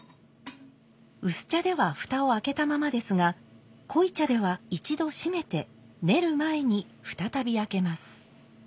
薄茶では蓋を開けたままですが濃茶では一度閉めて練る前に再び開けます。